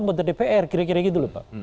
anggota dpr kira kira gitu loh pak